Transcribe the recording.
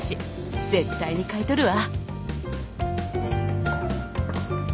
絶対に買い取るわ